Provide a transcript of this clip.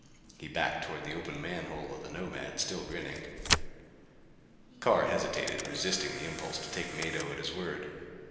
He backed toward the open manhole of the Nomad, still grinning. Carr hesitated, resisting the impulse to take Mado at his word.